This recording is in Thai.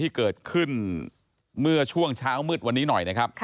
ที่เกิดขึ้นเมื่อช่วงเช้ามืดวันนี้หน่อยนะครับ